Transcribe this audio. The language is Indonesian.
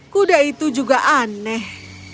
kuda itu juga aneh